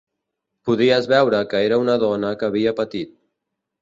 Podies veure que era una dona que havia patit.